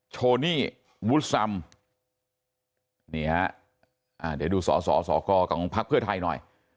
โชนี่วุฒร์ซัมนี่ฮะเดี๋ยวดูสสสกของพทหน่อย